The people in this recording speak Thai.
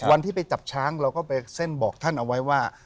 วันที่ไปจับช้างเราก็ไปเส้นบอกท่านเอาไว้ว่า